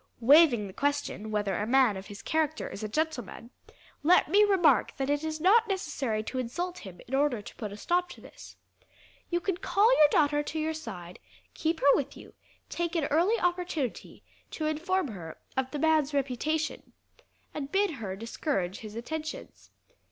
"Waving the question whether a man of his character is a gentleman, let me remark that it is not necessary to insult him in order to put a stop to this. You can call your daughter to your side, keep her with you, take an early opportunity to inform her of the man's reputation, and bid her discourage his attentions.